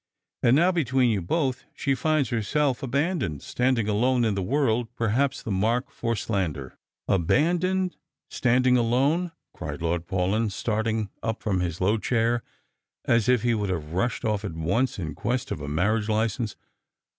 And now, between you both, she finds herself abandoned, standing alone in the world, perhaps the mark for slander." •' Abandoned ! standing alone !" cried Lord Paulyn, starting up from his low chair as if he would have rushed off at once in quest of a marriage license.